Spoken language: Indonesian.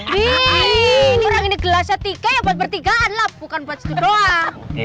wih orang ini gelasnya tiga ya buat bertigaan lah bukan buat situ doang